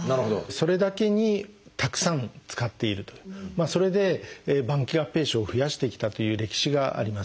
それだけにたくさん使っているというそれで晩期合併症を増やしてきたという歴史があります。